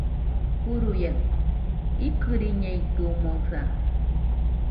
Uruia, ikɨriñeitɨomoɨsa